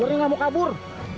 ularnya gak mau kabur